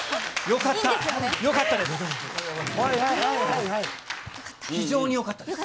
よかった、よかったです。